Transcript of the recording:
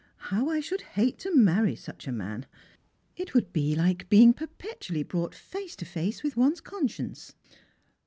" How I should hate to marry such a man ! It would be like being perpetually brought face to face with one's conscience."